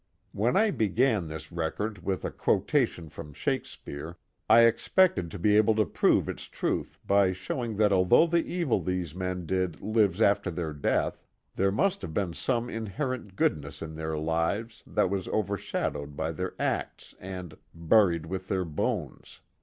When I began this record with a quotation from Shakes peare, I expected to be able to prove its truth by showing that although the evil these men did lives after their death, there must have been some inherent goodness in their lives that was overshadowed by their acts and buried with their bones."